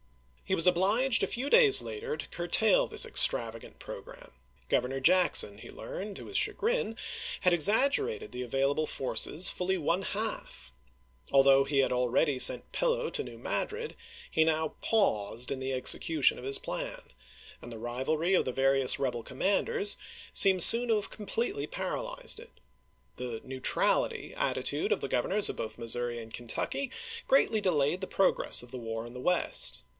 He was obliged a few days later to curtail this extravagant programme. Governor Jackson, he learned, to his chagrin, had exaggerated the avail able forces f uUy one half . Although he had already sent Pillow to New Madrid, he now " paused " in the execution of his plan ; and the rivalry of the various rebel commanders seems soon to have com pletely paralyzed it. The " neutrality " attitude of the Governors of both Missom'i and Kentucky greatly delayed the progress of the war in the West.